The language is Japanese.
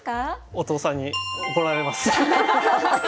お父さんに怒られます。